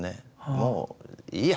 「もういいや！